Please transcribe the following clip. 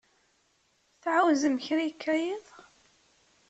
Tɛawzem kra yekka yiḍ?